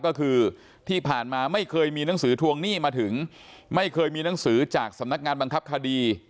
ก็คือที่ผ่านมาไม่เคยมีหนังสือทวงหนี้มาถึงไม่เคยมีหนังสือจากสำนักงานบังคับคดี